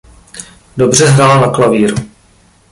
Dobře hrál na klavír.